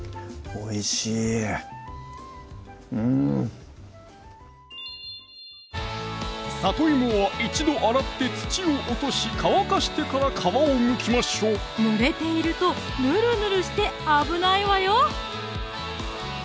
おいしいうんさといもは一度洗って土を落とし乾かしてから皮をむきましょうぬれているとぬるぬるして危ないわよ